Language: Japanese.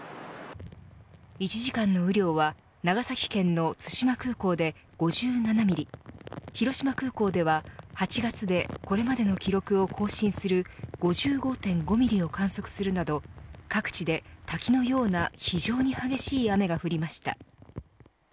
１時間の雨量は長崎県の対馬空港で５７ミリ広島空港では８月でこれまでの記録を更新する５５．５ミリを観測するなど各地で滝のような非常に激しい雨が降りました。